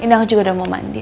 ini aku juga udah mau mandi